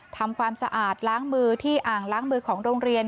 ทำความสะอาดล้างมือที่อ่างล้างมือของโรงเรียน